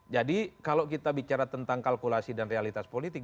jadi kalau kita bicara tentang kalkulasi dan realitas politik